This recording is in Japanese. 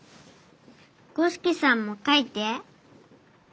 五色さんも描いて。